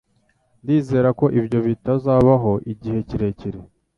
Ndizera ko ibyo bitazabaho igihe kirekire.